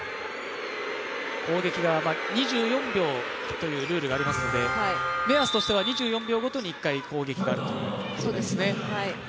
攻撃が２４秒というルールがありますので、目安としては２４秒ごとに１回攻撃があるということですね。